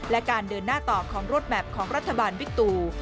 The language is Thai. และการเดินหน้าต่อของรถแมพของรัฐบาลวิกตู